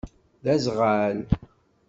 D aẓɣal.